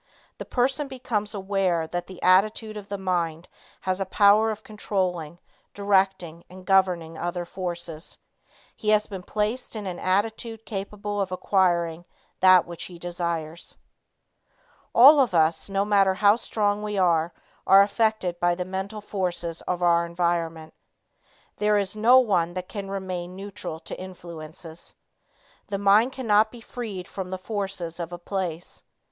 The person becomes aware that the attitude of the mind has a power of controlling, directing and governing other forces. He has been placed in an attitude capable of acquiring that which he desires. All of us no matter how strong we are, are affected by the mental forces of our environment. There is no one that can remain neutral to influences. The mind cannot be freed from the forces of a place.